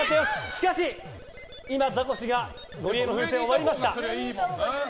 しかし今ザコシが上の風船を割りました。